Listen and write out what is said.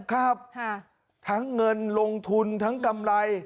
ครับทั้งเงินลงทุนทั้งกำไร